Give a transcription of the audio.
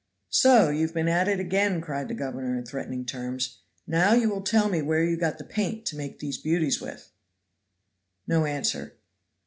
"So you have been at it again," cried the governor in threatening terms. "Now you will tell me where you got the paint to make these beauties with?" No answer.